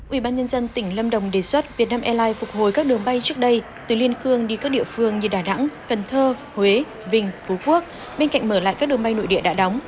ubnd tỉnh lâm đồng đề xuất vietnam airlines phục hồi các đường bay trước đây từ liên khương đi các địa phương như đà nẵng cần thơ huế vinh phú quốc bên cạnh mở lại các đường bay nội địa đã đóng